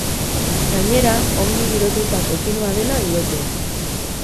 Gainera, ongi girotutako filma dela diote.